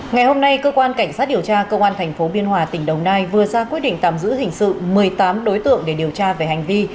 ngày hôm nay cơ quan cảnh sát điều tra công an tp biên hòa tỉnh đồng nai vừa ra quyết định tạm giữ hình sự một mươi tám đối tượng để điều tra về hành vi